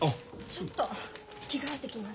ちょっと着替えてきます。